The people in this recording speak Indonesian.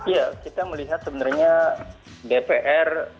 ya kita melihat sebenarnya dpr